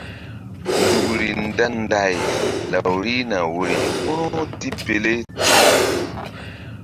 Nzukri nda nday law rihna woyri kpu̧ru tipele teh.